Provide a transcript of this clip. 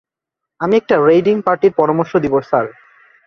আমি একটা রেইডিং পার্টির পরামর্শ দিবো স্যার।